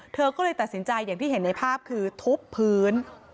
เธอก็เลยตัดสินใจอย่างที่เห็นในภาพคือทุบพื้น